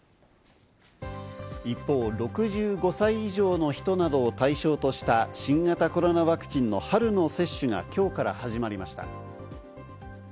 一方、６５歳以上の人などを対象とした新型コロナワクチンの春の接種が今日から始まりました。